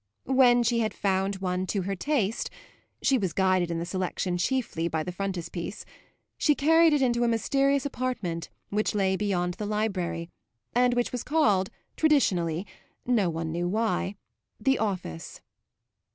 When she had found one to her taste she was guided in the selection chiefly by the frontispiece she carried it into a mysterious apartment which lay beyond the library and which was called, traditionally, no one knew why, the office.